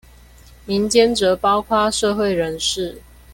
民間則包括社會人士